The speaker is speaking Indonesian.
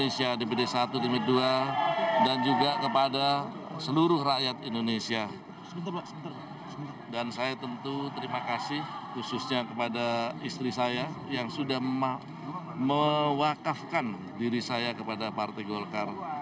saya adalah istri saya yang sudah mewakafkan diri saya kepada partai golkar